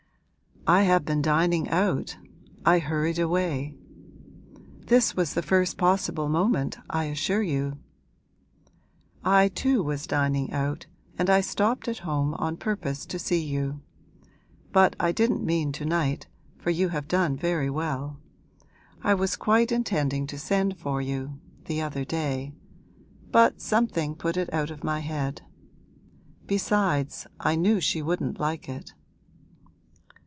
'I have been dining out I hurried away. This was the first possible moment, I assure you.' 'I too was dining out and I stopped at home on purpose to see you. But I didn't mean to night, for you have done very well. I was quite intending to send for you the other day. But something put it out of my head. Besides, I knew she wouldn't like it.'